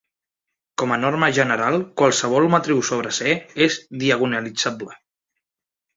Com a norma general, qualsevol matriu sobre ℂ és diagonalitzable.